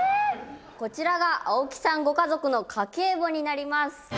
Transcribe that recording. こちらが青木さんご家族の家計簿になります。